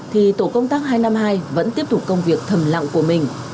thì tổ công tác hai trăm năm mươi hai vẫn tiếp tục công việc thầm lặng của mình